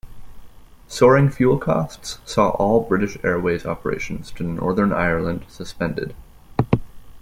Soaring fuel costs saw all British Airways operations to Northern Ireland suspended.